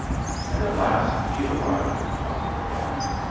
and at last he arrived at the top of the gap.